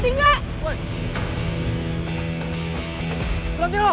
kristianapin muri direm